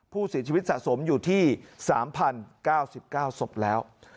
ผู้เสียชีวิตสะสมอยู่ที่๓๐๙๙ศพแล้ว